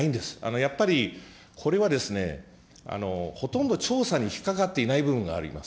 やっぱりこれはですね、ほとんど調査に引っ掛かっていない部分があります。